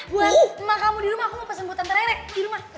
buat mbak kamu di rumah aku mau pesen buat tante rerek di rumah